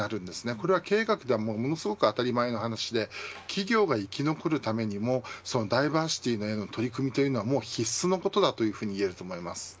これは経営学では当たり前のことで企業が生き残るためにもダイバーシティーのような取り組みというのはもう必須のことだといえます。